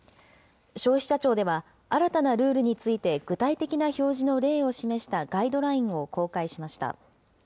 消費者庁では、新たなルールについて具体的な表示の例を示したガイドラインを公開しました。